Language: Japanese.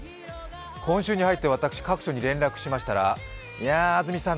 今週に入って私、各所に連絡しましたらいや安住さん